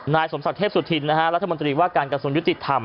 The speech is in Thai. นายสมศักดิ์เทพศุถิรภัย